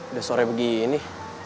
udah sore begini